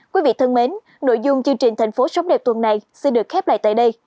quý vị thân mến nội dung chương trình tp sống đẹp tuần này sẽ được khép lại tại đây